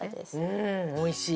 うんおいしい！